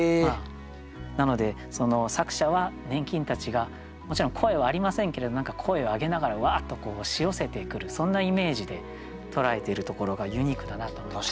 なので作者は粘菌たちがもちろん声はありませんけれど何か声を上げながらわっと押し寄せてくるそんなイメージで捉えているところがユニークだなと思いました。